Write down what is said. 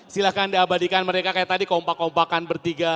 silahkan diabadikan mereka kayak tadi kompak kompakan bertiga